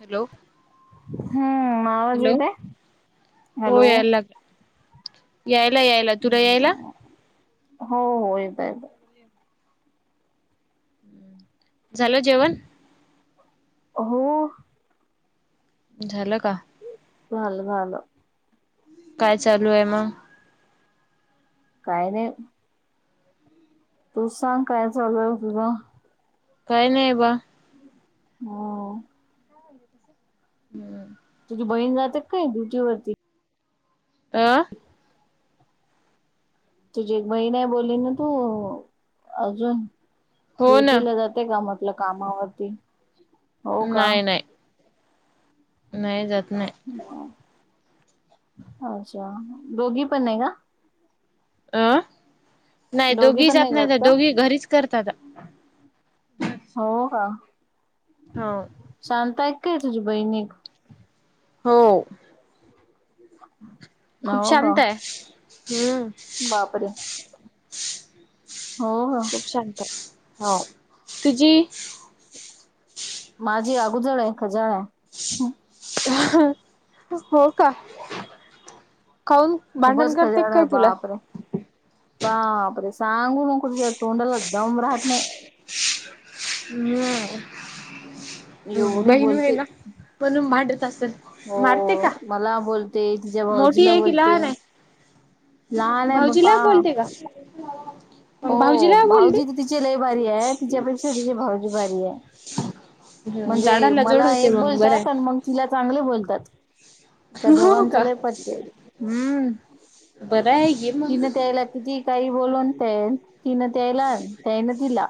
Hello हम्म आवाज hello. येते हो हॅलो यायला लाग यायला यायला तुला यायला? हो हो येतोय. हम्म झालं जेवण? हो झालं का? झालं झालं. काय चालू आहे मग? काय नाही बाई तू सांग काय चालूय तुझं? काय नाही बा. हो पाहि त हम्म तुझी बहीण जातात काय ड्युटी वरती? अ तुझी एक बहीण बोलली ना तू अजून हो ना ड्युटीला जाते कामात आपल्या कामावरती हो का नाही नाही नाही जात नाही. अच्छा दोघी पण नाही का? अ नाही दोघी जात नाही आता दोघी घरीच. करता आता हो का हो. शांत हायेत काय तुझी बहिणी. हो! [inaudible] खूप का शांत आहे हूं! बापरे! हो हो! खूप शांत हो तुझी? माझी अगुजळ आहे खजाळ आहे. हो का काऊन. खूपच भांडण करते खजान आहे काय तुला. बापरे बापरे सांगू नको तिच्या तोंडाला दम राहत नाही. हूं! एवढी बोलते. भांडत असेल हो मारते का? मला बोलते तिच्या मोठी भाऊजीला आहे की बोलते. लहान [inaudible] आहे लहान आहे भाऊजीला बापा बोलते का? हो मग भाऊजीला भाऊजी बोलते तं तिचे लय भारी आहे तिच्यापेक्षा तिचे भाऊ जी भारी आहे म्हणजे झाडाला जोड मला होते एक मग बरं बोलतात आणि आहे मग तिला चांगले बोलतात. त्या हो दोघांच का? लय पटतयं हूं बरं आहे घे मग तिनं त्यायला कितीही काही बोलून तेन तिनं त्यायला त्यायनं तिला.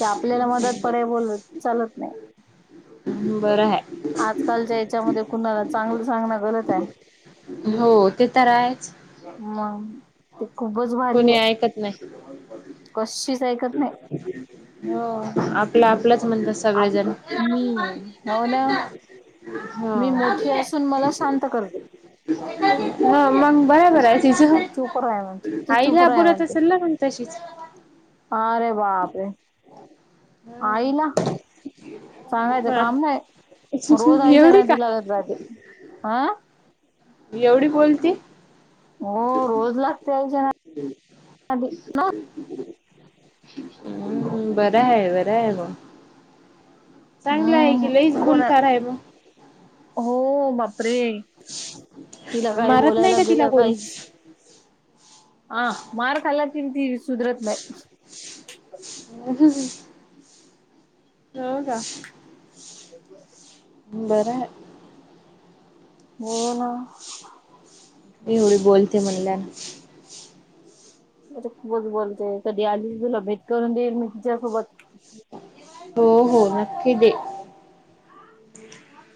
ते आपल्याला मदात पडाय बोलत चालत नाही. बरं आहे. आजकालच्या याच्यामध्ये कुणाला चांगलं सांगणं गलत आहे. हो ते तर आहेच. मंग ते खूपच भारी कोणी आहे, ऐकत नाही कशीष ऐकत नाही. हो आपलं आपलंच मनपंस आप मी हो ना हो मी मोठी असून मला शांत करते. ह मग बराबर हाय. तिचं तू चुप राय म्हणते तू चुप आईला राय बोलत म्हणते असेल ना मंग तशीच. अरे बापरे, आईला. सांगायचं हा काम नाही रोज आईच्या एवढी का नादी लागत जाते हं! एवढी बोलते. हो रोज लागते आईच्या नादी. हूं बरं आहे बरं आहे बॉ. चांगलं आहे की लईच हम्म कोणा बुलकार आहे मग. हो बापरे तिला काय मारत नाही बोलायला का तिला गेलं कोणी काहीच. आ मार खाल्ला तिनं ती सुधरत नाही. [unintelligible] हो का. बर आहे. हो ना! ती एवढी बोलते म्हणल्यानं आचा खूपच बोलतेय कधी आली तुला भेट करून देईल मी तिच्यासोबत. हो हो नक्की दे.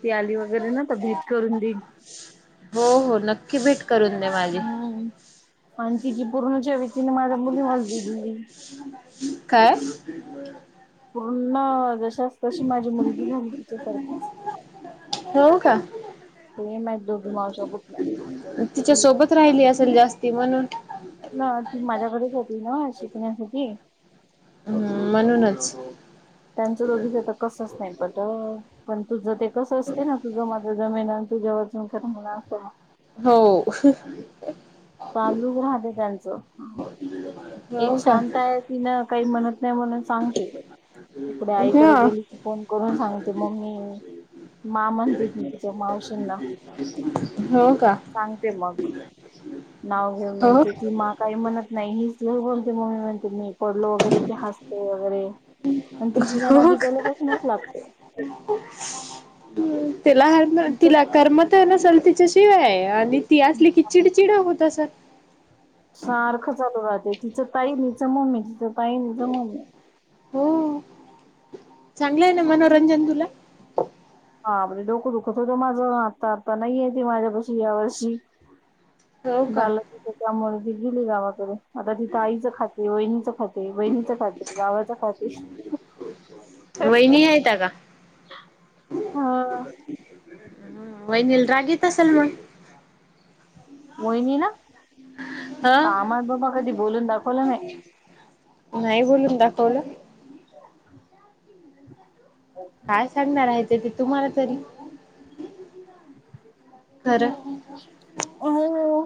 ती आली वगैरे ना त भेट करून देईन. हो हो नक्की भेट करून दे माझी. हूं आणि तिची पूर्णच्यावेतीने माझ्या मुली [unintelligible] दिली. काय? [unintelligible] पूर्ण जशासतशी माझी मुलगी झाली तिच्यासारखीच. हों का? हे नही माहित दोघी मावश्या कुठल्या. तिच्या सोबत राहिली असेल जास्ती म्हणून. ना ती माझ्याकडेच होती नां शिकण्यासाठी. हुं म्हणूनच. त्यांचं दोघीच तर कसंच नाही पट पण तुझ ते कसं असते ना तुझं माझं जमेना आण तुझ्या वाचून करमेना अस आहे. हों! चालूच राहत त्यांच. एक हो का शांत आहे तीन काही म्हणत नाही म्हणून सांगते. तिकड आईकड हा गेली की फोन करून सांगते मम्मी. मा म्हणते ती तिच्या मावशी ना. हों का? सांगते मग नाव घेऊन हो म्हणते की मा काय? म्हणत नाही ही स्लो बोलते मम्मी म्हणते मी पडलो वगैरे की हासतो वगैरे. आणि ति तिच्या हो नादी का पहील्या पासुनच लागते. तिला हातना तिचं तिला करम त नसल तिच्याशिवाय आणि ती असली की चिडचिड हं होत असल. सारखं चालू राहतय तिचं ताई न ईचं मम्मी, तिचं ताई न ईच मम्मी. हों चांगलंय नां मनोरंजन तुला. हां [unintelligible] डोकं दुखत होतं माझं आता, आता नाहिये ती माझ्यापाशी या वर्षी. हो का बाल तिचे त्यामुळे गेली नी गावाकडे. आता तिथं आईचं खाते, वहिणीचं खाते, बहिणीचं खाते, गावाच्या सासू [unintelligible] वहिणी हायता का? ह हुं वहिनी ला राग येत असल मंग? वहीनीला! हा कामाहीत बाबा कधी बोलून दाखवलं नाही. नाही बोलून दाखवलं? काय सांगणार आहे ते ते तुम्हाला तरी. खरं हो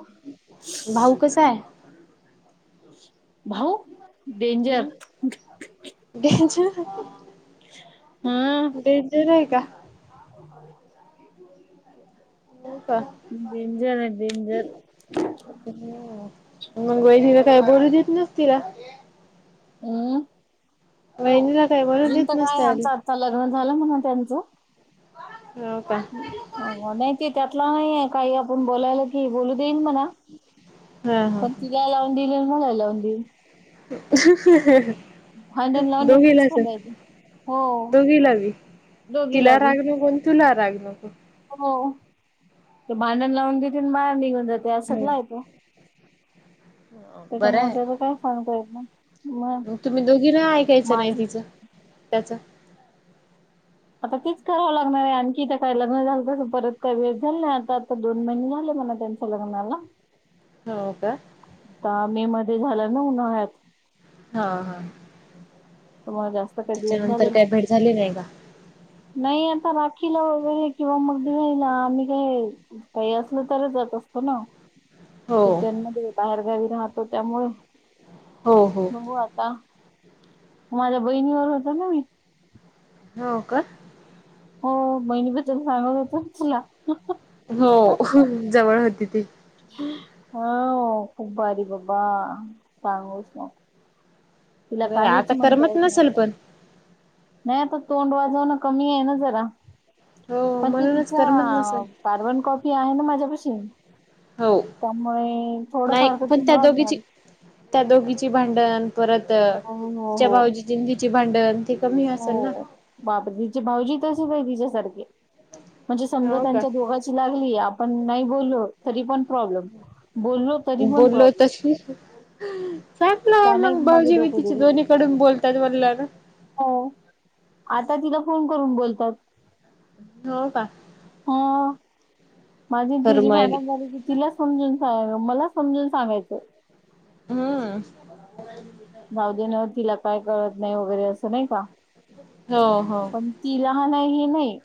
भाऊ कसा आहे? भाऊ! डेंजर हुं बेंचवर हम् बें ते नाही का? हों का. डेंजर आहे डेंजर. हूं मग वहिनीला काय बोलू देत नसतीला. ऊ! वहिणीला काही बोलू देत नसत्यांली -चा लग्न झालं म्हणा त्यांचं-. [unintelligible] हो का? अव्वा... नाई ते त्यातला नाहीये... काही आपण बोलायला- ती बोलू देईन म्हणा... हा हा. पण तिला लावून देईल... मला लावून देईल. भांडण [unintelligible] लावून दोघीला तेच असं... फटायचं हो दोघीला बी- तिला दोघीला बी राग नको... अन तुला राग नको हो... तो भांडण लावून देती अन.... बाहेर निघून जाती हम्म. असातला ए तो. बरं त्याच्यामुळं... आहे त्याचं काय सांगता येत नाय. मग तुम्ही दोघीनं... ऐकायचं नाई तिचं... त्याचं. आता तेच करावं लागणार ए... आणखी... त्या काय... लग्न झालं परत काय.... वेळ [unintelligible] आता आता दोन महिने झालेत म्हणा त्यांचे. [unintelligible] हो का? आता... मे मध्ये झाला ना.... उन्हाळ्यात हा हा. त्यामुळे जास्त काही दिवस त्याच्यानंतर... काय भेट... झाली नाई का? नाई आता... राखीला वगैरे... किंवा मग दिवाळीला... आम्ही काय काई असलं... तरच जात असतो ना हो सुट्यांमध्ये बाहेरगावी राहतो... त्यामुळे... हो हो बघू आता माझ्या बहिणीबरोबर होतो ना मी. हों का? हो... बहिणीबद्दल... सांगत होतो... [unintelligible] हो... अंहं... जवळ होती ती. हो... खूप भारी बबा... [unintelligible] तिला बरं काहीच आता म्हणता करमत येत नसेल नाहीत पण. नाई आता... तोंड वाजवणं कमी ए ना जरा. हो पण ते म्हणूनच तिचा... करमत नसेल कार्बन कॉपी आहे ना माझ्यापशी. हो. त्यामुळे... थोडं नाही फार तर पण तीन त्या दोघीची वाजणार. त्या दोघीची भांडण... परत... हो हो तिच्या हो. भाऊजींची नी तिची भांडण... ते कमी असल ना? हो बापरे... तिचे भाऊजी... तसेच ए... तिच्यासारखे. म्हणजे समजा... हो का? त्यांच्या दोघाची लागली... आपण नाई बोललो... तरी पण प्रॉब्लेम. बोललो तरी पण बोललो प्रॉब्लेम. तशी संपलं आहे त्याने मग... माझं भाऊजी बी डोकं तिचे... दुखून दोन्ही जातं. कडून बोलतात म्हणाल्यानं. हो... आता तिला फोन करून बोलतात. हो का? हो... माझी न तिझी फरमाईली भांडण झाली... त... तिला समजून सांगायचं.... मला समजून सांगायचं. हु जाऊ दे नं... तिला काय कळत नाई वगैरे... असं नाई का हो हो. पण ती लहान ए... हे नई.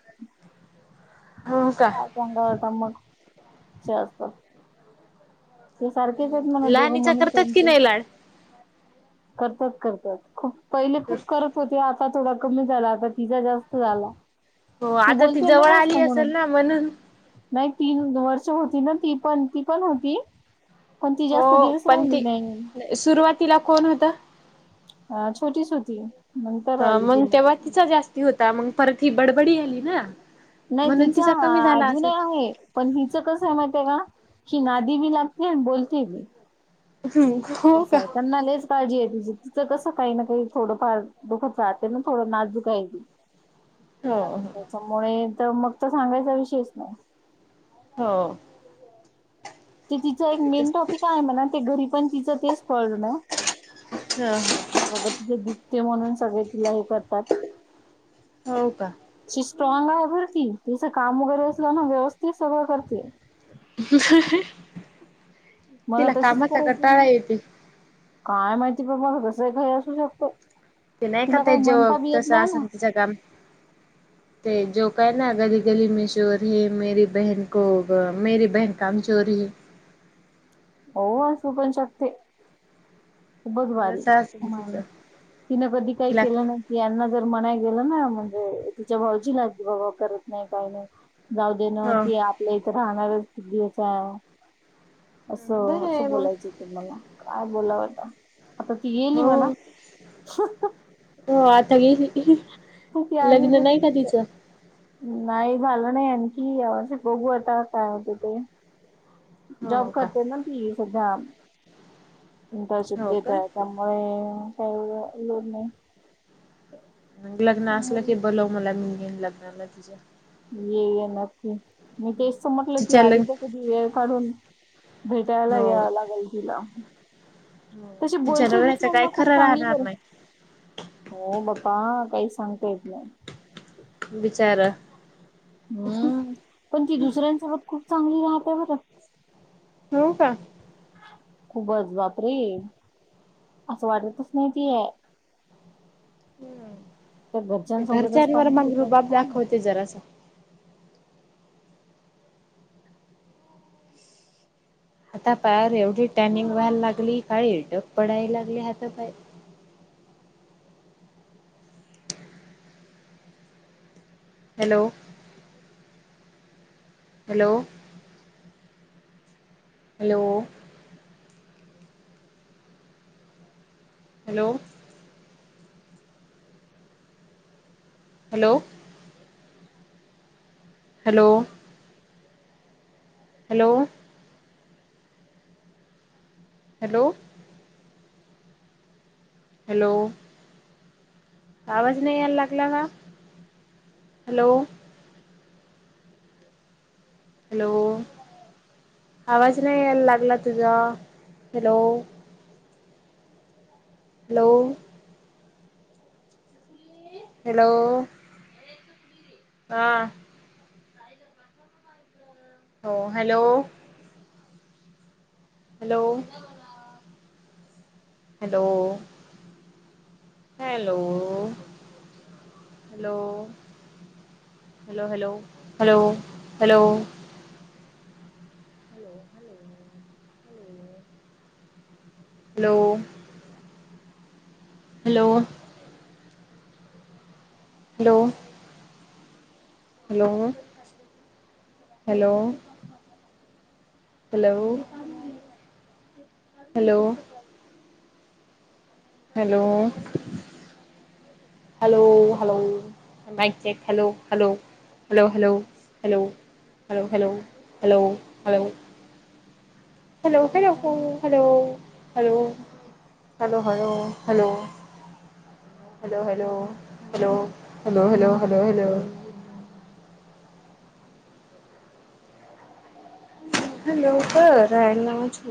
हो का? काय चांगलं होता मग... [unintelligible] ते सारखेच आहेत म्हण दोघं लहानीचा म्हणून करतात की त्यांचे नाही लाड करतात करतात. खूप पहिले खूप कर त होते आता थोडा कमी झाला. आता तिचा जास्त झाला. हो आता ती बोलते ना जवळ जास्त आली म्हणून असेल ना? म्हणून नाही तीन वर्ष होती ना ती पण ती पण होती. पण ती जास्त हो दिवस पण राहिली ती नाही. सुरुवातीला कोण होता? अ छोटीच होती. नंतर तवा आली ती मग तेव्हा मध्ये तिचा जास्ती होता मग परत ही बडबडी आली ना? नाही म्हणून तिचा कमी झाला असेल अजूनही आहे. पण हिचं कस आहे माहिती आहे का? ही नादी बी लागते आणि बोलते बी. हम्म असा य त्यांना लईच काळजी आहे तिची तिचं कसं काही ना का थोडफार दुखत राहते ना थोडं नाजूक आहे ती. हो हो त्याच्यामुळे तर मगं तर सांगायचा विषयच नाही हो ते तिचं एक मेन टॉपिक आहे मणा ते घरी पण तिचं तेच कळ ना हो बाबा तिचेे दुखते म्हणून सगळे तिला हे करतात हो का सी स्ट्रॉग आहे बर ती. तस काम वगैरे असल ना व्यवस्थित सगळं करते ह ह मला तिला तशीच कामाचा करायची कटाळा येतोय काय माहिती बाबा दुसर काही असू शकते ते नाही का तिला ते काही जो म्हणता बी येत तसं नाही ना असेल तीच्या काम [inaudible] ते जोकायना गली गली में शोर हे मेरी बहन को मेरी बहन कामचोर हे हो असू पण शकते बग भारी तसं असेल तिचं तिनं कधी काही तिला केलं नाही यांना जर म्हणाय गेलं ना म्हणजे तिच्या भाऊजीला की बाबा करत नाही काही नाही गाव ते नव्ह हा ते आपल्या इथे राहणारच की चा असं बरं असं आहे मग बोलायचं होत मला काय बोलावंता आता त येईल ही हो मना ह ह हो आता गेली. तर ती आली लग्न तरी नाही का तेच आहे तिचं नाही झालं नाही आणखी या वर्षी बघू आता काय होत ते जॉब हो का करते ना ती सध्या इंटर्नशिप हो का देतय त्या होय काय एवढ लोड नाही. मग लग्न असलं की बोलव मला मी इन लग्नाला तिच्या ये येणार की मी तेच तर म्हंटल की तिच्या आली तर लग्न कधी वेळ काढून भेटायला हो याव लागल तीला हो कसे तिच्या बोलते नवऱ्याचं काय दुसऱ्यांना खूप खरं चांगली राहणार बर नाही हो मग का काही सांगता येत नाही बिचारा मग पण ती दुसऱ्यांसोबत खूप चांगली राहते बरं हो का? खुपचं बांप रे असं वाटतंच नाहीं ती अं त्या हं घरच्यांसोबतच घरच्यांवर काम मंग करते रुबांब काय माहिती दाखंवते जरां असं आंता पायंर एवढी टॅनिंग व्हांयला लागली कायं डब्बा पडांयला लागली आंता तरं hello hello hello hello hello hello hello hello hello आवांज नाहीं यांयला लागंला कां हॅलो हॅलो आवांज नाहीं यांयला लागंला तुंझा हॅलो हॅलो हॅलो -हां हो hello hello hello hello hello hello hello hello hello hello hello hello hello hello hello hello hello hello hello माई चे hello hello hello hello hello hello hello hello hello hello hello hello hello hello hello hello hello hello hello hello hello hello hello hello कां रांल नावांच आहे